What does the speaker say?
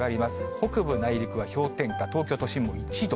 北部、内陸は氷点下、東京都心も１度。